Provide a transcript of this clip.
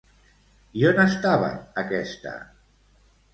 I on estava aquesta?